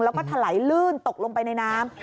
แล้วก็ถลายลื่นตกลงไปในน้ำ